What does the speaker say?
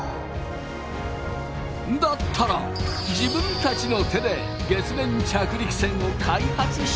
「だったら自分たちの手で月面着陸船を開発してしまおう！」。